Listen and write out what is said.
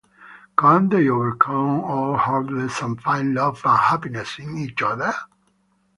Can they overcome all hurdles and find love and happiness in each other?